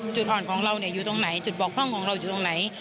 จุดอ่อนของเราอยู่ตรงไหนจุดบกพร่องของเราอยู่ตรงไหน